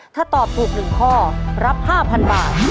ถ้าตอบถูก๑ข้อรับ๕๐๐๐บาท